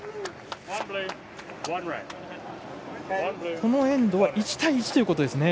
このエンドは１対１ということですね。